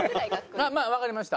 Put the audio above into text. まあわかりました。